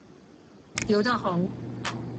吊得好